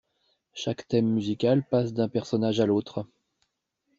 Chaque thème musical passe d'un personnage à l'autre.